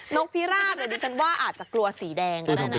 กพิราบเนี่ยดิฉันว่าอาจจะกลัวสีแดงก็ได้นะ